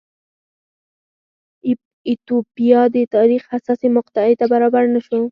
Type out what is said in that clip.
ایتوپیا د تاریخ حساسې مقطعې ته برابر نه شو.